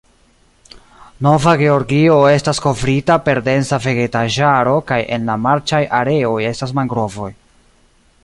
Nova Georgio estas kovrita per densa vegetaĵaro, kaj en la marĉaj areoj estas mangrovoj.